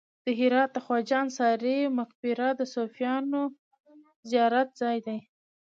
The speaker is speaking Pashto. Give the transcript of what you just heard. د هرات د خواجه انصاري مقبره د صوفیانو زیارت ځای دی